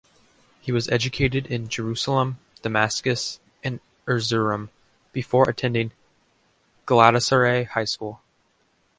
He was educated in Jerusalem, Damascus and Erzurum before attending Galatasaray High School.